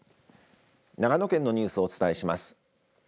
長野県のニュースをお伝えします。